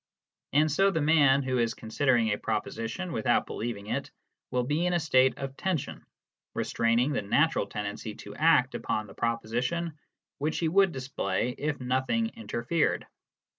And so the man who is considering a proposition without believing it will be in a state of tension, restraining the natural tendency to act upon the proposition which he would display if nothing interfered.